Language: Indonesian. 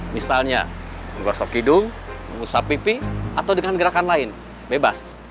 misalnya menggosok hidung menggosok pipi atau dengan gerakan lain bebas